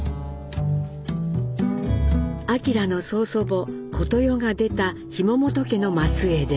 明の曽祖母・小とよが出た紐本家の末えいです。